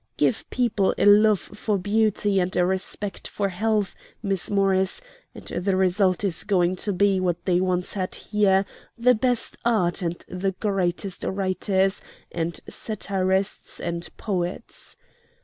Give people a love for beauty and a respect for health, Miss Morris, and the result is going to be, what they once had here, the best art and the greatest writers and satirists and poets.